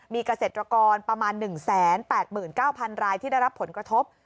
มีเกษตรกรประมาณ๑๘๙๐๐รายที่ได้รับผลกระทบ